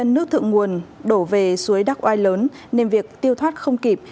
nước thượng nguồn đổ về suối đắc oai lớn nên việc tiêu thoát không kịp